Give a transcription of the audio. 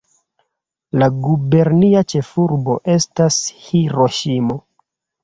La gubernia ĉefurbo estas Hiroŝimo.